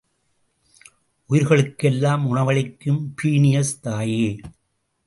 உயிர்களுக்கெல்லாம் உணவளிக்கும் பீனியஸ் தாயே!